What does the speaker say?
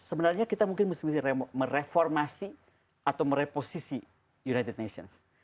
sebenarnya kita mungkin mesti mereformasi atau mereposisi united nations